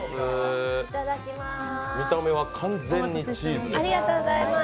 見た目は完全にチーズです。